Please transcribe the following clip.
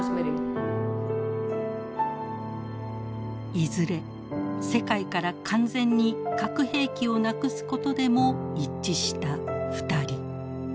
いずれ世界から完全に核兵器をなくすことでも一致した２人。